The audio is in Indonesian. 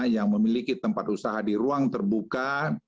yang memiliki tempat usaha di ruang terbuka